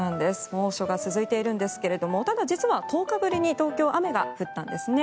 猛暑が続いているんですけれどもただ、実は１０日ぶりに東京、雨が降ったんですね。